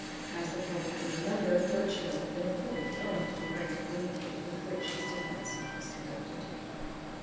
As the public would remember, Birchill had been acquitted owing to the great ability with which his defence was conducted.